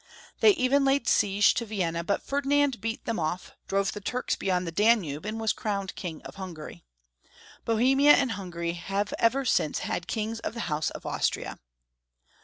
They even laid siege to Vienna, but Ferdi nand beat them off, drove the Turks beyond the Danube, and was crowned King of Hungary. Bo hemia and Hungary have ever since had kings of the House of Austria.